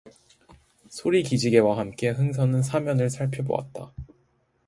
소리 기지개와 함께 흥선은 사면을 살펴보았다.